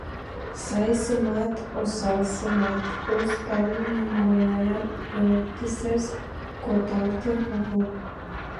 Сайсымат, осалсымат усалтын, нимоаят ӧлтысес коталтын огыл...